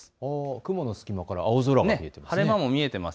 雲の隙間から青空が見えています。